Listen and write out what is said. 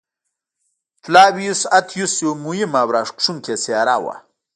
فلاویوس اتیوس یوه مهمه او راښکوونکې څېره وه.